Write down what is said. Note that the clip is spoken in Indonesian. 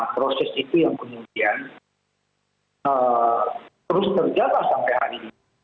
proses itu yang kemudian terus terjaga sampai hari ini